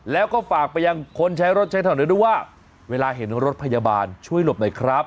แล้วก็ฝากไปยังคนใช้รถใช้ถนนด้วยว่าเวลาเห็นรถพยาบาลช่วยหลบหน่อยครับ